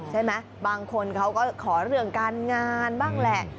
ใช่ไหมบางคนเขาก็ขอเรื่องการงานบ้างแหละ